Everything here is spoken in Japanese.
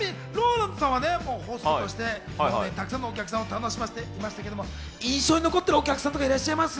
ちなみにＲＯＬＡＮＤさんはホストとして今までにたくさんのお客さんを楽しませていましたが、印象に残っているお客さんとか、いらっしゃいます？